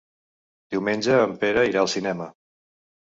Diumenge en Pere irà al cinema.